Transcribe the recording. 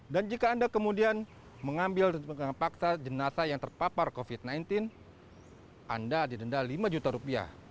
dan jika anda kemudian mengambil dengan paksa jenazah yang terpapar covid sembilan belas anda didenda rp lima